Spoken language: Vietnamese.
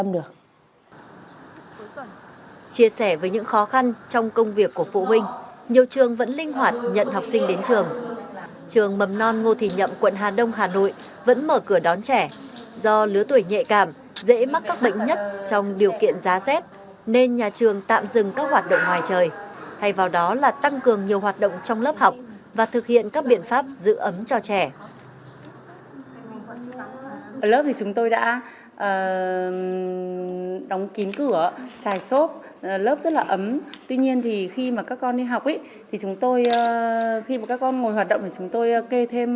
dễ mắc các bệnh nhất trong điều kiện giá xét nên nhà trường tạm dừng các hoạt động ngoài trời thay vào đó là tăng cường nhiều hoạt động trong lớp học và thực hiện các biện pháp giữ ấm cho trẻ